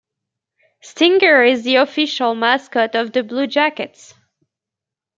Stinger is the official mascot of the Blue Jackets.